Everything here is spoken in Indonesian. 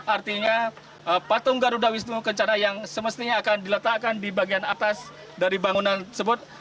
artinya patung garuda wisnu kencana yang semestinya akan diletakkan di bagian atas dari bangunan tersebut